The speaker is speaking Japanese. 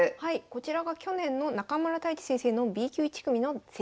こちらが去年の中村太地先生のＢ級１組の成績になります。